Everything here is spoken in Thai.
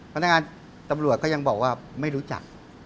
พนักงานตำรวจก็ยังบอกว่าไม่รู้จัก